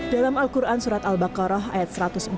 dalam al quran surat al baqarah ayat satu ratus empat puluh